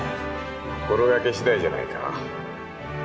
心がけ次第じゃないか？